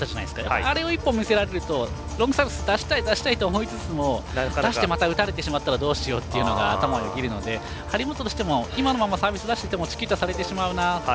あれを１本見せられるとロングサービス出したいと思いつつも、出してまた打たれてしまったらどうしようというのが頭をよぎるので張本としても今のままサービスを出していてもチキータされるな。